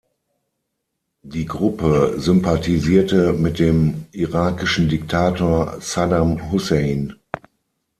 Die Gruppe sympathisierte mit dem irakischen Diktator Saddam Hussein.